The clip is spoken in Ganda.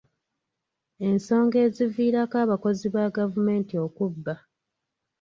Ensonga eziviirako abakozi ba gavumenti okubba.